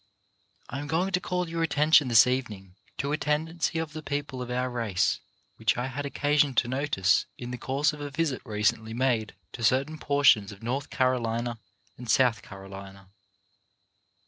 I am going to call your attention this evening to a tendency of the people of our race which I had occasion to notice in the course of a visit re cently made to certain portions of North Carolina and South Carolina.